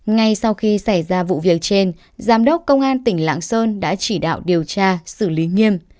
ngay sau khi xảy ra vụ việc trên giám đốc công an tỉnh lạng sơn đã chỉ đạo điều tra xử lý nghiêm